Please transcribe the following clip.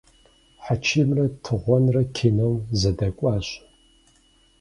Хьэчимрэ Тыгъуэнрэ кином зэдэкӏуащ.